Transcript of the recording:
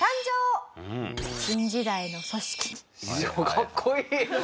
かっこいい！